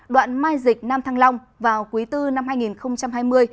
đoạn mai dịch nam thăng long vào quý bốn năm hai nghìn hai mươi